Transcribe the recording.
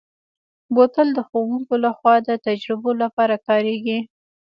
بوتل د ښوونکو لخوا د تجربو لپاره کارېږي.